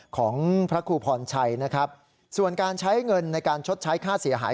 ของพระครูพรชัยนะครับส่วนการใช้เงินในการชดใช้ค่าเสียหาย